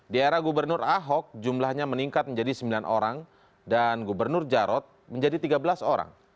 di era gubernur ahok jumlahnya meningkat menjadi sembilan orang dan gubernur jarot menjadi tiga belas orang